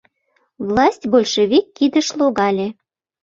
Власть большевик кидыш логале.